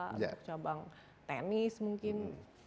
untuk cabang tenis mungkin